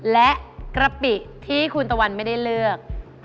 และกะปิที่คุณตะวันไม่ได้เลือก